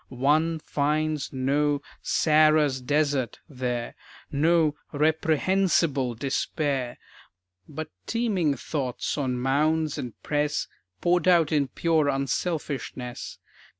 One finds no "Sarah's desert" there, No "reprehensible" despair; But teeming thoughts on Mounds and Press Poured out in pure unselfishness.